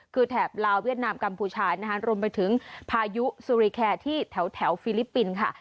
คือแถบลาวเวียดนามกัมพูชานะคะรวมไปถึงพายุสุริแคร์ที่แถวฟิลิปปินส์ค่ะ